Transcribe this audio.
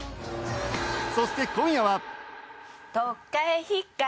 そして今夜は！